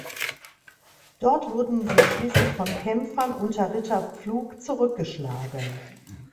Dort wurden sie schließlich von Kämpfern unter Ritter Pflug zurückgeschlagen.